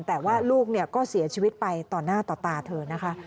แต่ว่าลูกก็เสียชีวิตไปต่อหน้าต่อตาเธอนะคะ